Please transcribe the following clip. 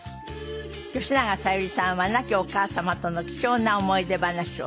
吉永小百合さんは亡きお母様との貴重な思い出話を。